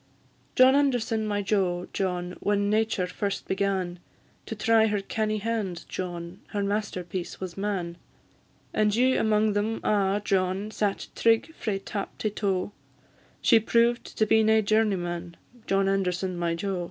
John Anderson, my jo, John, When Nature first began To try her canny hand, John, Her masterpiece was man; And you amang them a', John, Sae trig frae tap to toe She proved to be nae journeyman, John Anderson, my jo.